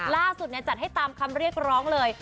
จัดให้ตามคำเรียกร้องเลย